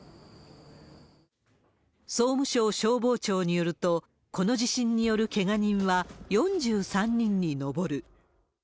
総務省消防庁によると、この地震によるけが人は４３人に上る。